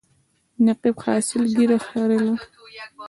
نقیب صاحب ږیره خریله.